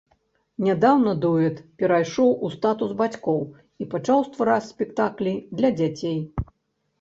Нядаўна дуэт перайшоў у статус бацькоў і пачаў ствараць спектаклі для дзяцей.